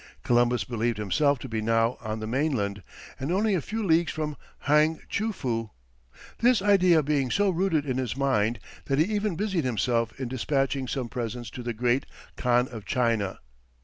Columbus believed himself to be now on the mainland, and only a few leagues from Hang tchoo foo; this idea being so rooted in his mind, that he even busied himself in despatching some presents to the great Khan of China.